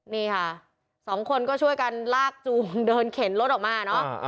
นี่ค่ะสองคนก็ช่วยกันลากจูงเดินเข็นรถออกมาเนอะ